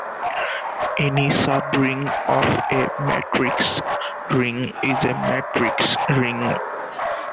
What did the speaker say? Any subring of a matrix ring is a matrix ring.